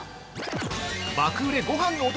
◆爆売れごはんのお供